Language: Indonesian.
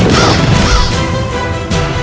kalian setiap hari